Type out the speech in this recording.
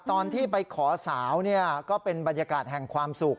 ตอนที่ไปขอสาวก็เป็นบรรยากาศแห่งความสุข